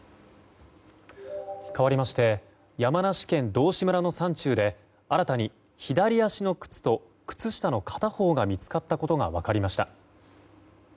かわりまして山梨県道志村の山中で新たに左足の靴と靴下の片方が見つかったことが分かりました。